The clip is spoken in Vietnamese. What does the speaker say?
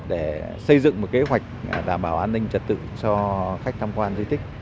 để xây dựng một kế hoạch đảm bảo an ninh trật tự cho khách tham quan di tích